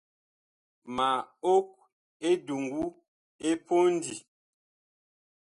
Ma og eduŋgu ɛ pondi.